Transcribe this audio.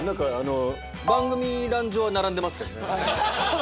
番組欄上は並んでますけどね。